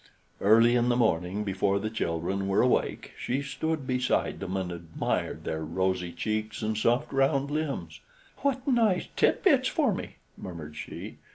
Early in the morning, before the children were awake, she stood beside them and admired their rosy cheeks and soft round limbs. "What nice tit bits for me," murmured she.